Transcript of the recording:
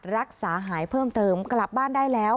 รักษาหายเพิ่มเติมกลับบ้านได้แล้ว